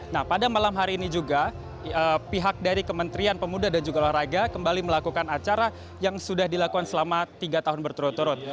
nah pada malam hari ini juga pihak dari kementerian pemuda dan juga olahraga kembali melakukan acara yang sudah dilakukan selama tiga tahun berturut turut